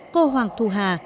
cô hoàng thu hà